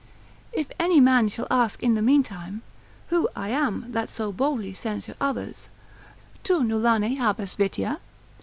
If any man shall ask in the meantime, who I am that so boldly censure others, tu nullane habes vitia?